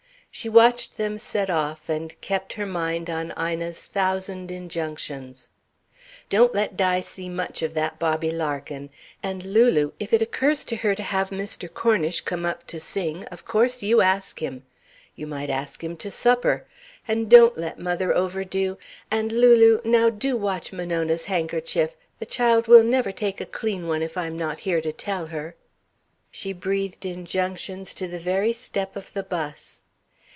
She watched them set off, and kept her mind on Ina's thousand injunctions. "Don't let Di see much of Bobby Larkin. And, Lulu if it occurs to her to have Mr. Cornish come up to sing, of course you ask him. You might ask him to supper. And don't let mother overdo. And, Lulu, now do watch Monona's handkerchief the child will never take a clean one if I'm not here to tell her...." She breathed injunctions to the very step of the 'bus.